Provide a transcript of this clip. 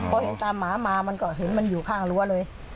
พอเห็นตามหมามามันก็เห็นมันอยู่ข้างรั้วเลย